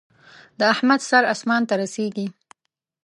د احمد سر اسمان ته رسېږي.